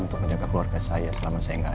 untuk menjaga keluarga saya selama saya gak ada kan